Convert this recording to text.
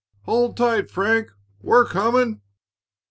"Hold tight, Frank; we're coming!"